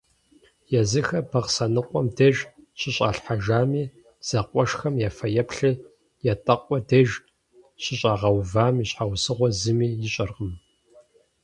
Езыхэр Бахъсэныкъуэм деж щыщӏалъхьэжами, зэкъуэшхэм я фэеплъыр Ятӏэкъуэ деж щӏыщагъэувам и щхьэусыгъуэр зыми ищӏэркъым.